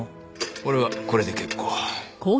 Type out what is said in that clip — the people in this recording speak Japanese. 俺はこれで結構。